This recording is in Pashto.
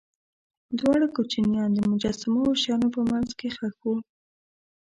دواړه کوچنیان د مجسمو او شیانو په منځ کې ښخ وو.